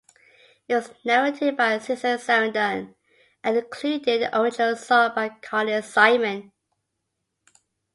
It was narrated by Susan Sarandon, and included an original song by Carly Simon.